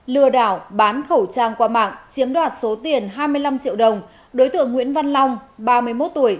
lừa đảo bán khẩu trang qua mạng chiếm đoạt số tiền hai mươi năm triệu đồng đối tượng nguyễn văn long ba mươi một tuổi